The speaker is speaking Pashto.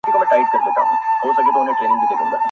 نه سور وي په محفل کي نه مطرب نه به غزل وي-